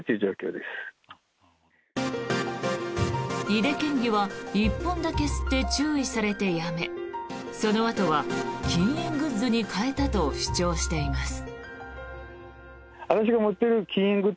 井手県議は１本だけ吸って注意されてやめそのあとは禁煙グッズに変えたと主張しています。